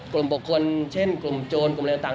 กลุ่มบุคคลเช่นกลุ่มโจรกลุ่มอะไรต่าง